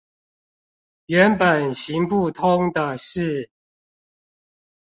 原本行不通的事